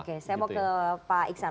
oke saya mau ke pak iksan